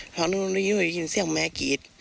ลูกก็ได้ยินเสียงแม่กรี๊ด